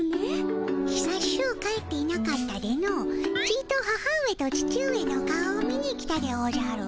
ひさしゅう帰っていなかったでのちと母上と父上の顔を見に来たでおじゃる。